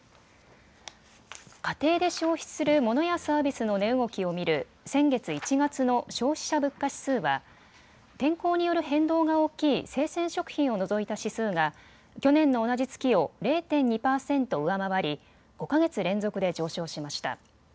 家庭で消費するモノやサービスの値動きを見る先月１月の消費者物価指数は天候による変動が大きい生鮮食品を除いた指数が去年の同じ月を０．２％上回り５か月連続で上昇しました。